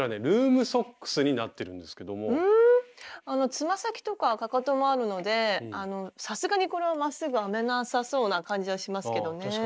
つま先とかかかともあるのでさすがにこれはまっすぐ編めなさそうな感じはしますけどね。